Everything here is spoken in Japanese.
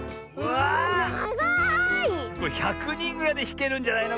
これ１００にんぐらいでひけるんじゃないの？